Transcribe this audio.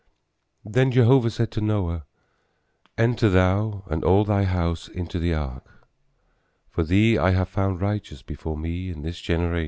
Then Jehovah said to Noah, enter thou and all thy house into the ark; for thee I have found righteous before me in this generation.